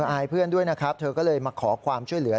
อายเพื่อนด้วยนะครับเธอก็เลยมาขอความช่วยเหลือ